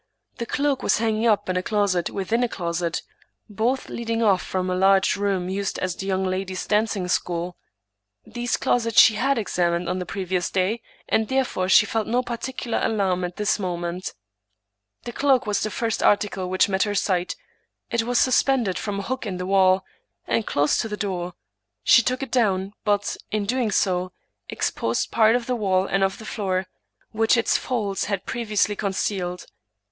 The cloak was hanging up in a. closet within a closet, both leading off from a large room used as the young ladies* dancing school. These closets she 131 English Mystery Storied had examined oil the pfeviotis day, and therefor^ sha felt no particular alarm at this moment. The cloak was the first article which met her sight ; it was suspended from a hook in the wall, and close to the door. She took it down, but, in doing so, exposed part of the wall and of the floor, which its folds had previously concealed.